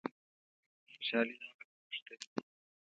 خوشحالي د هغه څه غوښتل دي.